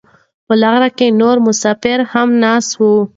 په لاره کې نور مسافر هم ناست وو.